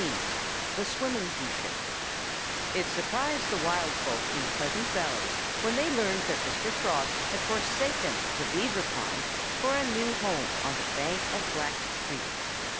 XIX THE SWIMMING TEACHER It surprised the wild folk in Pleasant Valley when they learned that Mr. Frog had forsaken the Beaver pond for a new home on the bank of Black Creek.